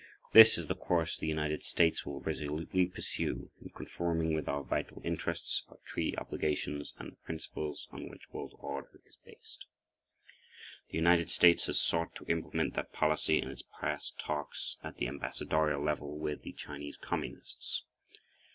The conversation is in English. This is the course that the United States will resolutely pursue, in conforming with our vital interests, our treaty obligations, and the principles on which world order is based. The United States has sought to implement that policy in its past talks at the ambassadorial level with the Chinese Communists.